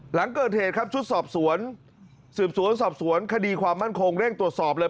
หลังเกิดเหตุครับชุดสอบสวนสืบสวนสอบสวนคดีความมั่นคงเร่งตรวจสอบเลย